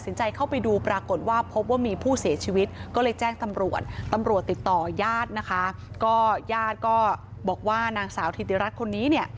ยาดก็บอกว่านางสาวธิติรัฐคนนี้